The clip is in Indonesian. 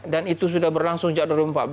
dan itu sudah berlangsung sejak dua ribu empat belas